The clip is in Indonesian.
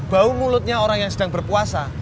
bau mulutnya orang yang sedang berpuasa